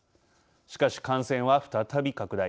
しかし、感染は再び拡大。